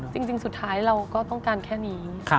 จริงสุดท้ายเราก็ต้องการแค่นี้